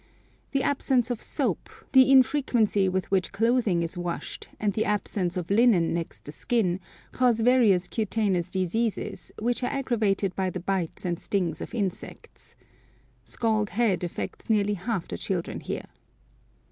The absence of soap, the infrequency with which clothing is washed, and the absence of linen next the skin, cause various cutaneous diseases, which are aggravated by the bites and stings of insects. Scald head affects nearly half the children here.